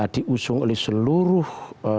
diusung oleh seluruh